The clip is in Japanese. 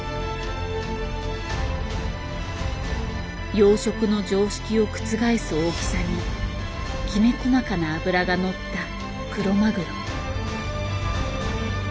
養殖の常識を覆す大きさにきめ細かな脂が乗ったクロマグロ。